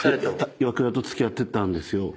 イワクラと付き合ってたんですよ。